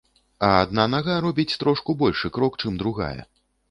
А адна нага робіць трошку большы крок, чым другая.